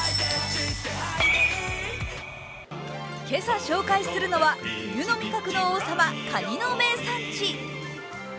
今朝紹介するのは、冬の味覚の王様・カニの名産地。